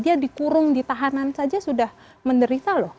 dia dikurung ditahanan saja sudah menderita loh